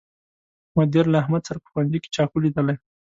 مدیر له احمد سره په ښوونځي کې چاقو لیدلی